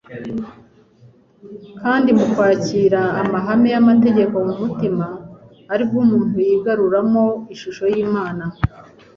kandi mu kwakira amahame y'amategeko mu mutima ari bwo umuntu yigaruramo ishusho y'Imana.